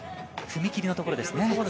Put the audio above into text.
踏み切りのところですね。